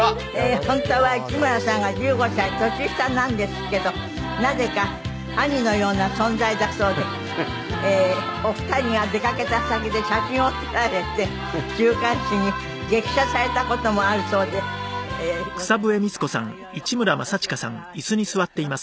本当は市村さんが１５歳年下なんですけどなぜか兄のような存在だそうでお二人が出かけた先で写真を撮られて週刊誌に激写された事もあるそうでございますが今日はいろいろとお話伺わせていただきます。